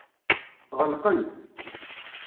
Ɣelqent.